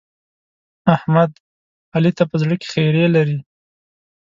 احمد؛ علي ته په زړه کې خيری لري.